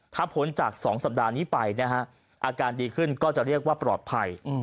ถ้าพ้นจาก๒สัปดาห์นี้ไปนะฮะอาการดีขึ้นก็จะเรียกว่าปลอดภัย